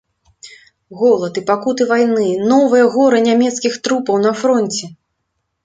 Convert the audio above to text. Голад і пакуты вайны, новыя горы нямецкіх трупаў на фронце!